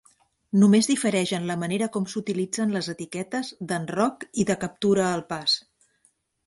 Només difereix en la manera com s'utilitzen les etiquetes d'enroc i de "captura al pas".